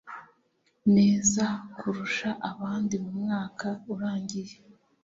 neza kurusha abandi mu mwaka urangiye